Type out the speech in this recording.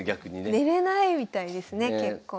寝れないみたいですね結構。